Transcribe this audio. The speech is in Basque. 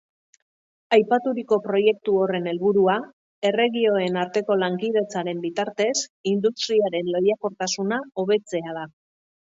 Aipaturiko proiektu horren helburua erregioen arteko lankidetzaren bitartez industriaren lehiakortasuna hobetzea da.